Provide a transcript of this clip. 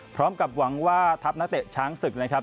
พร้อมกับหวังว่าทัพนักเตะช้างศึกนะครับ